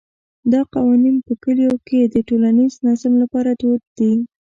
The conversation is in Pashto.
دا قوانین په کلیو کې د ټولنیز نظم لپاره دود دي.